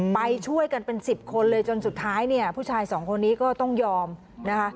ไปช่วยกันเป็นสิบคนเลยจนสุดท้ายเนี่ยผู้ชายสองคนนี้ก็ต้องยอมนะคะ